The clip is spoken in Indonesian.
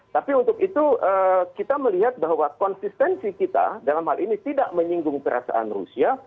tapi untuk itu kita melihat bahwa konsistensi kita dalam hal ini tidak menyinggung perasaan rusia